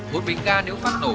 một bình ga nếu phát nổ